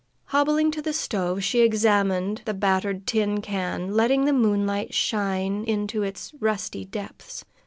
Hobbling to the stove, she examined the battered tin can, letting the moonlight shine into its rusty depths.